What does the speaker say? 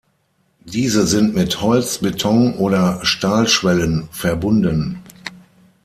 Diese sind mit Holz-, Beton- oder Stahlschwellen verbunden.